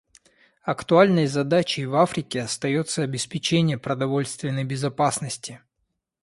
Актуальной задачей в Африке остается обеспечение продовольственной безопасности.